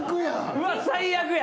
うわっ最悪や。